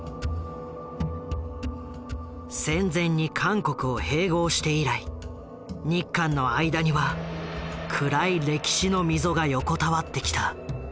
戦前に韓国を併合して以来日韓の間には暗い歴史の溝が横たわってきた。